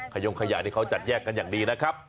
ขยงขยะนี่เขาจัดแยกกันอย่างดีนะครับ